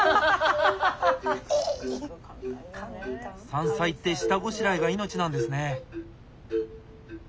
山菜って下ごしらえが命なんですね。